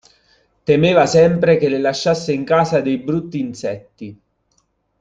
Temeva sempre che le lasciasse in casa dei brutti insetti.